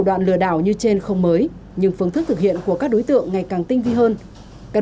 phạm tạo như trên không mới nhưng phương thức thực hiện của các đối tượng ngày càng tinh vi hơn các